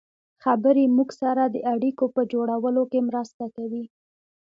خبرې موږ سره د اړیکو په جوړولو کې مرسته کوي.